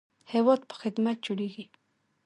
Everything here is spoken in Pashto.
هیواد په خدمت جوړیږي